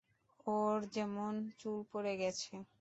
ওর যেমন চুল পড়ে গেছে।